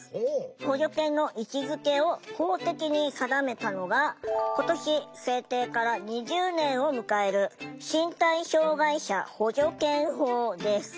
補助犬の位置づけを法的に定めたのが今年制定から２０年を迎える「身体障害者補助犬法」です。